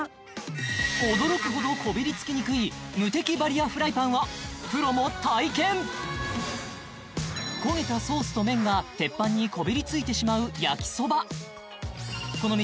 驚くほどこびりつきにくいムテキバリアフライパンはプロも体験焦げたソースと麺が鉄板にこびりついてしまう焼きそばこの道